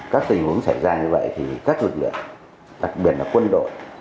các tình huống xảy ra như vậy thì các lực lượng đặc biệt là quân đội